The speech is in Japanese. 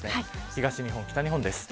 東日本、北日本です。